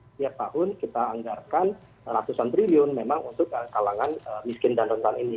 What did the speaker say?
setiap tahun kita anggarkan ratusan triliun memang untuk kalangan miskin dan rentan ini